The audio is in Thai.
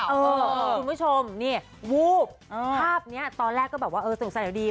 คุณผู้ชมนี่วูบภาพนี้ตอนแรกด้วยก็ดี